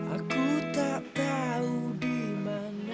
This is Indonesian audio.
aku tak tahu dimana